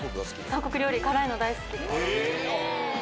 韓国料理辛いの大好きです。